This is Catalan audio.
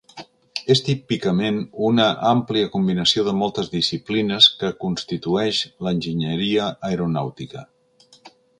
És típicament una àmplia combinació de moltes disciplines que constitueix l'enginyeria aeronàutica.